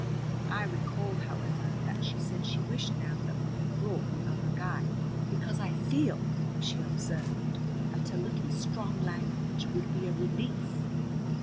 I recall, however, that she said she wished now that we had brought the other guide. "Because I feel," she observed, "that a little strong language would be a relief."